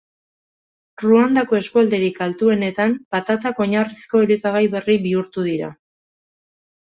Ruandako eskualderik altuenetan, patatak oinarrizko elikagai berri bihurtu dira.